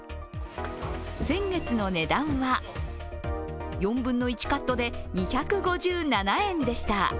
先月の値段は４分の１カットで２５７円でした。